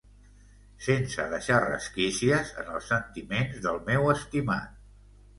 Sense deixar resquícies en els sentiments del meu estimat.